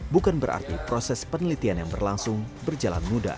bukan berarti proses penelitian yang berlangsung berjalan mudah